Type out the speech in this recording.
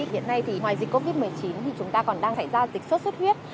hiện nay thì ngoài dịch covid một mươi chín thì chúng ta còn đang xảy ra dịch sốt xuất huyết